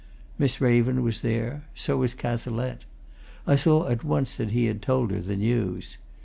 Miss Raven was there so was Cazalette. I saw at once that he had told her the news.